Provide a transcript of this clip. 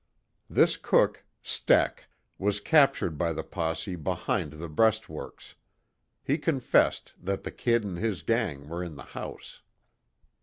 This cook, Steck, was captured by the posse behind the breastworks. He confessed that the "Kid" and his gang were in the house.